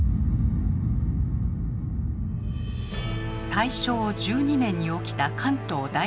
大正１２年に起きた関東大震災。